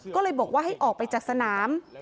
ก็เลยบอกว่าให้ออกไปจากสนาม